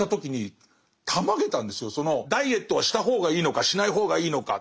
ダイエットはした方がいいのかしない方がいいのか。